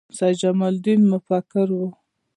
سید جمال الدین مفکر و